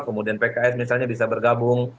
kemudian pks misalnya bisa bergabung